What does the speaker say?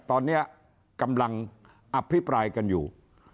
ตอนนี้กำลังอภิปรายกันอยู่